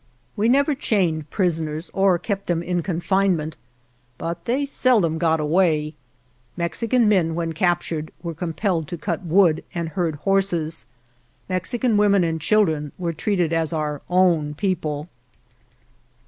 We never chained prisoners or kept them in confinement, but they seldom got away. 67 GERONIMO Mexican men when captured were compelled to cut wood and herd horses. Mexican women and children 3 were treated as our own people.